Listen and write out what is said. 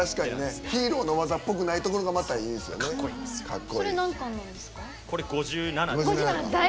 ヒーローの技っぽくないところがそれ、何巻ですか？